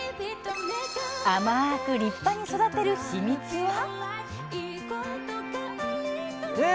甘く立派に育てるヒミツは？